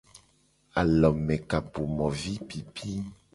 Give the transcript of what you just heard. Alomekapomovipipi.